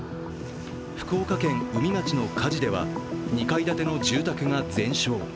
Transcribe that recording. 福岡県宇美町の火事では２階建ての住宅が全焼。